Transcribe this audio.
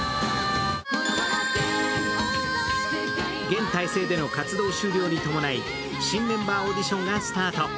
現体制での活動終了に伴い、新メンバーオーディションがスタート。